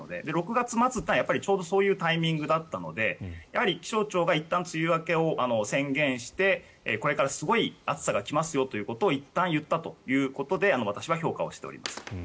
６月末というのはそういうタイミングだったので気象庁がいったん梅雨明けを宣言してこれからすごい暑さが来ますよといったん言ったということで私は評価しております。